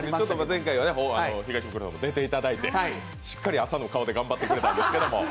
前回は東ブクロさんにも出ていただいてしっかり朝の顔で頑張ってくれたんですけど。